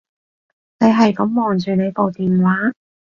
你係噉望住你部電話